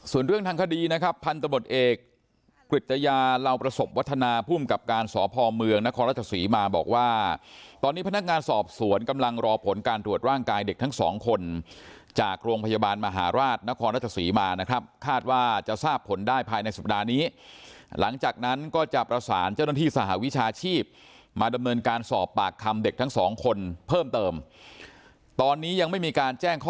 ส่วนเรื่องทางคดีนะครับพันธบทเอกกริจยาเหล่าประสบวัฒนาภูมิกับการสอบภอมเมืองนครรัฐสีมาบอกว่าตอนนี้พนักงานสอบสวนกำลังรอผลการตรวจร่างกายเด็กทั้งสองคนจากโรงพยาบาลมหาราชนครรัฐสีมานะครับคาดว่าจะทราบผลได้ภายในสัปดาห์นี้หลังจากนั้นก็จะประสานเจ้าหน้าที่สหวิชาชีพมาดำเ